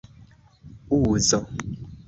uzo